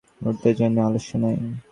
মুহূর্তের জন্য আলস্য নাই।